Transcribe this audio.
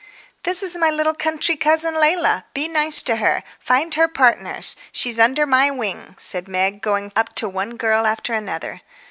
"This is my little country cousin Leila. Be nice to her. Find her partners; she's under my wing," said Meg, going up to one girl after another.